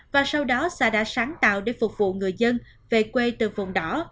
và sau đó sa đã sáng tạo để phục vụ người dân về quê từ vùng đỏ